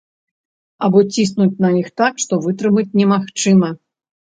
Або ціснуць на іх так, што вытрымаць немагчыма.